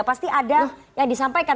pasti ada yang disampaikan